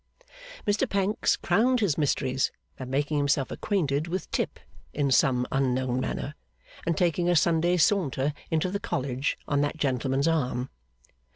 Mr Pancks crowned his mysteries by making himself acquainted with Tip in some unknown manner, and taking a Sunday saunter into the College on that gentleman's arm.